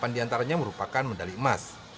delapan diantaranya merupakan medali emas